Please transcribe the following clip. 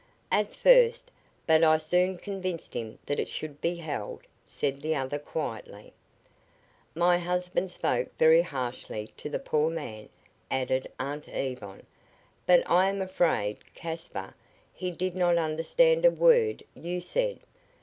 "At first, but I soon convinced him that it should be held," said the other, quietly. "My husband spoke very harshly to the poor man," added Aunt Yvonne. "But, I am afraid, Caspar, he did not understand a word you said.